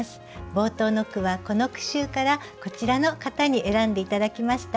冒頭の句はこの句集からこちらの方に選んで頂きました。